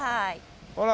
ほら。